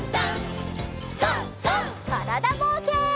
からだぼうけん。